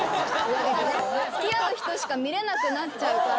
付き合う人しか見れなくなっちゃうから。